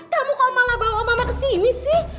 kamu kok malah bawa mama kesini sih